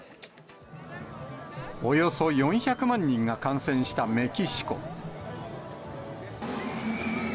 およそ４００万人が感染したメキシコ。